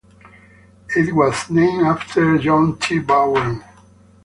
It was named after John T. Bowen.